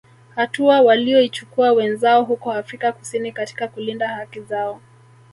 Hatua walioichukua wenzao huko Afrika kusini katika kulinda haki zao